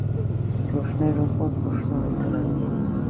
প্রশ্নের উপর প্রশ্ন হইতে লাগিল।